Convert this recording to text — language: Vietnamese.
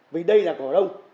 vì đây là hồ đông